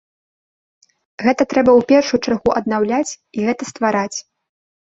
Гэта трэба будзе ў першую чаргу аднаўляць і гэта ствараць.